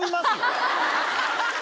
ハハハハ！